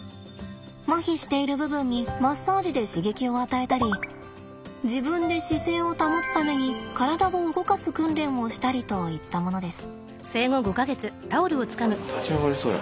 まひしている部分にマッサージで刺激を与えたり自分で姿勢を保つために体を動かす訓練をしたりといったものです。